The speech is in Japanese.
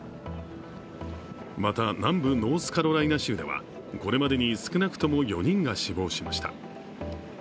また南部ノースカロライナ州ではこれまでに少なくとも４人が死亡しました。